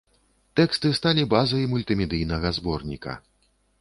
Тэксты сталі базай мультымедыйнага зборніка.